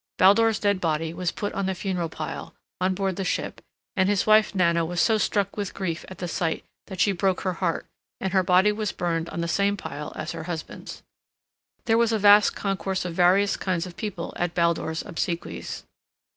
Baldur's dead body was put on the funeral pile, on board the ship, and his wife Nanna was so struck with grief at the sight that she broke her heart, and her body was burned on the same pile as her husband's. There was a vast concourse of various kinds of people at Baldur's obsequies.